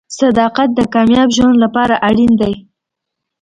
• صداقت د کامیاب ژوند لپاره اړین دی.